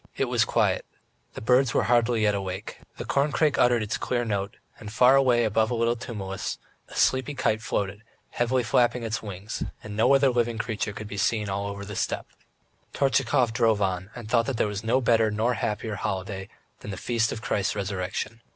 It was quiet. ... The birds were hardly yet awake .... The corncrake uttered its clear note, and far away above a little tumulus, a sleepy kite floated, heavily flapping its wings, and no other living creature could be seen all over the steppe. Tortchakov drove on and thought that there was no better nor happier holiday than the Feast of Christ's Resurrection.